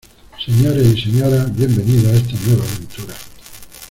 Señores y señoras, bienvenidos a está nueva aventura.